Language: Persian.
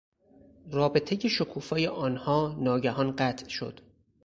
رابطهی شکوفای آنها ناگهان قطع شد.